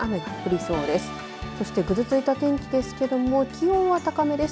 そしてぐずついた天気ですけども気温は高めです。